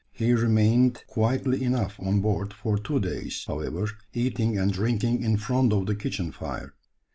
He remained quietly enough on board for two days, however, eating and drinking in front of the kitchen fire.